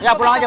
ya pulang aja